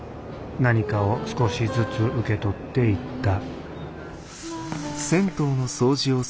何かを少しずつ受け取っていった